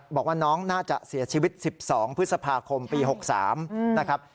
บอกว่าน้องน่าจะเสียชีวิต๑๒พฤษภาคมปี๖๓นะครับ